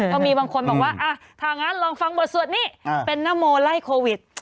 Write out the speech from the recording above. ก็มีบางคนบอกว่าถ้างั้นลองฟังบทสวดนี้เป็นนโมไล่โควิด